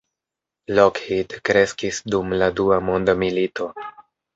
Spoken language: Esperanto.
Lockheed kreskis dum la Dua mondmilito.